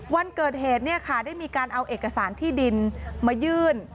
วันเกิดเหตุเนี่ยค่ะได้มีการเอาเอกสารที่ดินมายื่น